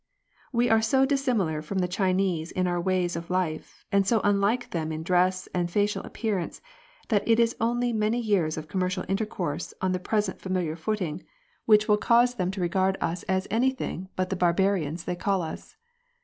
We are so dissimilar from the Chinese in our ways of life, and so unlike them in dress and facial appearance, that it is only many years of commercial intercourse on the present familiar footing which will 172 JOURNALISM. cause them to regard us as anything but the bar barians they call us.